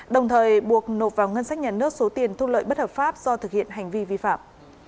đồng thời buộc nộp vào ngân sách nhà nước số tiền thu lợi bất hợp pháp do thực hiện hành vi vi phạm